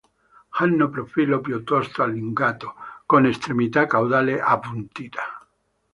Hanno profilo piuttosto allungato, con estremità caudale appuntita.